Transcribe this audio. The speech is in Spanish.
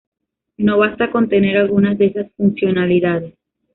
No basta con tener algunas de esas funcionalidades.